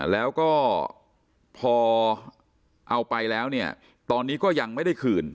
แล้วก็พอเอาไปแล้วเนี่ยตอนนี้ก็ยังไม่ได้คืน